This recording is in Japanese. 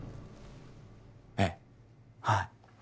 ええはい。